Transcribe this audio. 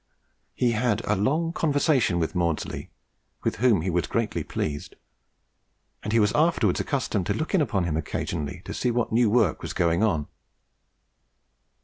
He had a long conversation with Maudslay, with whom he was greatly pleased; and he was afterwards accustomed to look in upon him occasionally to see what new work was going on.